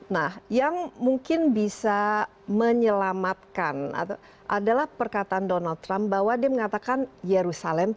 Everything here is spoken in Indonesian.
nah yang mungkin bisa menyelamatkan adalah perkataan donald trump bahwa dia mengatakan yerusalem